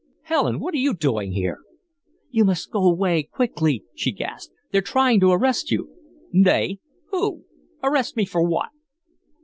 "Helen! What are you doing here?" "You must go away quickly," she gasped. "They're trying to arrest you." "They! Who? Arrest me for what?"